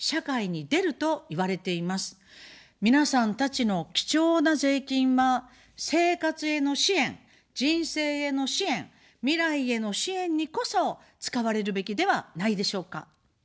皆さんたちの貴重な税金は、生活への支援、人生への支援、未来への支援にこそ使われるべきではないでしょうか。